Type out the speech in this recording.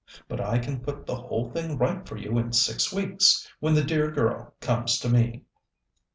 But I can put the whole thing right for you in six weeks, when the dear girl comes to me."